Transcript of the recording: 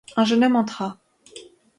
Un jeune homme entra.